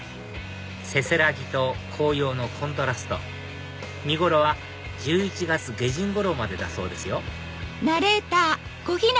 せせらぎと紅葉のコントラスト見頃は１１月下旬頃までだそうですよ